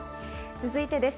続いてです。